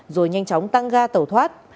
rồi nhanh chóng tăng ga tàu thoát